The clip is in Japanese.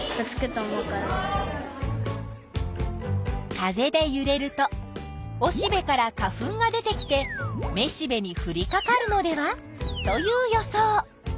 風でゆれるとおしべから花粉が出てきてめしべにふりかかるのではという予想。